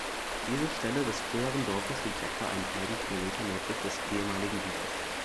Diese Stelle des früheren Dorfes liegt etwa einen halben Kilometer nördlich des ehemaligen Gutes.